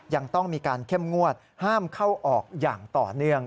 ยังต้องมีการเข้มงวดห้ามเข้าออกอย่างต่อเนื่อง